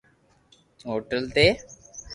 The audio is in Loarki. ھوٽل تي